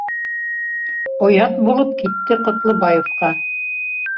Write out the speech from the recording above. Оят булып китте Ҡотлобаевҡа